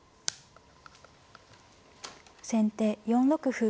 先手４六歩。